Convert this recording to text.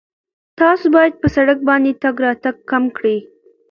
تاسو باید په سړک باندې تګ راتګ کم کړئ.